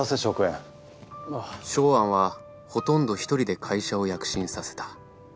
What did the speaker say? ショウアンはほとんど一人で会社を躍進させた。